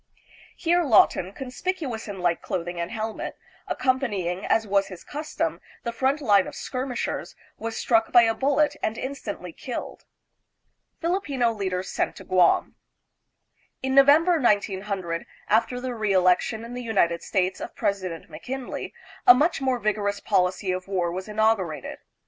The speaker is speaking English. Here Lawton, con spicuous in light clothing and helmet, accompanying, as 308 THE PHILIPPINES. was his custom, the front line of skirmishers, was struck by a bullet and instantly killed. Filipino Leaders Sent to Guam. In November, 1900, : after the reelection in the United States of President McKinley, a much more vigorous policy of war was inaugurated.